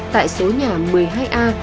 tại số nhà một mươi hai a